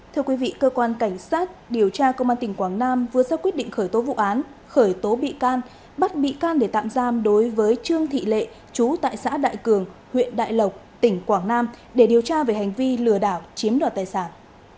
thưa quý vị cơ quan cảnh sát điều tra công an tỉnh quảng nam vừa sắp quyết định khởi tố vụ án khởi tố bị can bắt bị can để tạm giam đối với trương thị lệ chú tại xã đại cường huyện đại lộc tỉnh quảng nam để điều tra về hành vi phạm